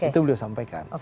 itu beliau sampaikan